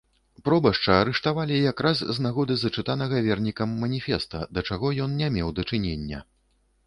Пробашча арыштавалі якраз з нагоды зачытанага вернікам маніфеста, да чаго ён не меў дачынення.